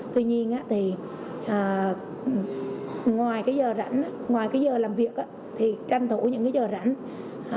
tuy nhiên thì ngoài cái giờ rảnh ngoài cái giờ làm việc thì tranh thủ những cái giờ rảnh